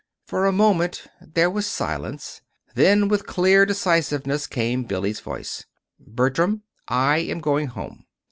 For a moment there was silence; then, with clear decisiveness came Billy's voice. "Bertram, I am going home."